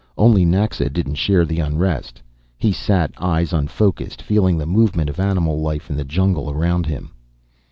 Only Naxa didn't share the unrest. He sat, eyes unfocused, feeling the movement of animal life in the jungle around them.